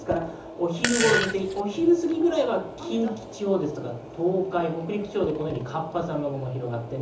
お昼頃、お昼過ぎぐらいは近畿地方ですとか東海・北陸地方で活発な雨雲が広がっている。